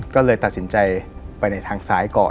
ก็เลยตัดสินใจไปในทางซ้ายก่อน